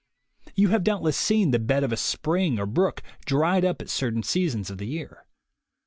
You have doubtless seen the bed of a spring or brook dried up at certain seasons of the year.